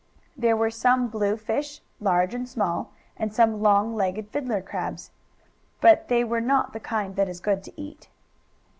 There were some blue fish, large and small, and some long legged "fiddler" crabs. But they were not the kind that is good to eat.